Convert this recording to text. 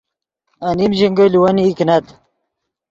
انیم ژینگے لیوینئی کینت